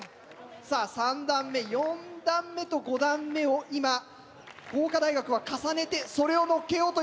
さぁ３段目４段目と５段目を今工科大学は重ねてそれをのっけようというところ。